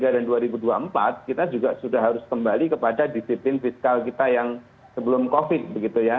dua ribu dua puluh tiga dan dua ribu dua puluh empat kita juga sudah harus kembali kepada disiplin fiskal kita yang sebelum covid begitu ya